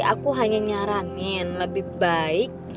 aku hanya nyaranin lebih baik